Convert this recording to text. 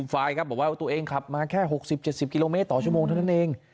ไฟล์ครับบอกว่าตัวเองขับมาแค่๖๐๗๐กิโลเมตรต่อชั่วโมงเท่านั้นเอง